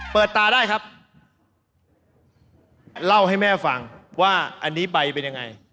เปิดตาได้ครับเล่าให้แม่ฟังว่าอันนี้ใบเป็นยังไง